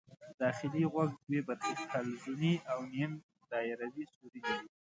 داخلي غوږ دوې برخې حلزوني او نیم دایروي سوري لري.